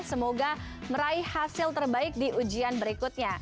semoga meraih hasil terbaik di ujian berikutnya